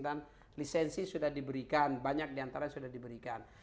dan lisensi sudah diberikan banyak diantara sudah diberikan